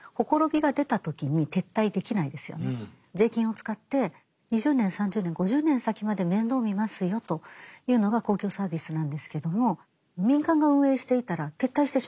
税金を使って２０年３０年５０年先まで面倒を見ますよというのが公共サービスなんですけども民間が運営していたら撤退してしまいます。